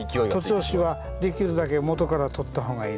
徒長枝はできるだけ元から取った方がいいんです。